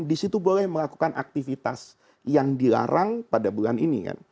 di situ boleh melakukan aktivitas yang dilarang pada bulan ini kan